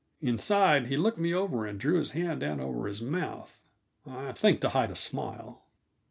Inside, he looked me over and drew his hand down over his mouth; I think to hide a smile.